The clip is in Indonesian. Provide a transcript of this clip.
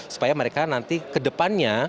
supaya mereka nanti ke depannya